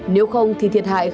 nếu không thì thiệt hại không được